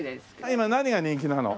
今何が人気なの？